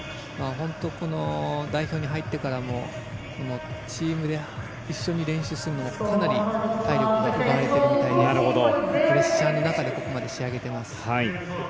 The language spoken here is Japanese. この代表に入ってからもチームで、一緒に練習するのもかなり体力が削られてるみたいでプレッシャーの中でここまで仕上げてます。